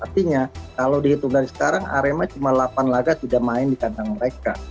artinya kalau dihitung dari sekarang arema cuma delapan laga tidak main di kandang mereka